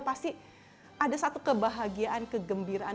pasti ada satu kebahagiaan kegembiraan